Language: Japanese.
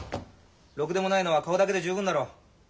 ろくでもないのは顔だけで十分だろ。